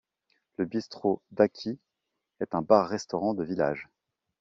Le bistrot d'Aqui est un bar-restaurant de village.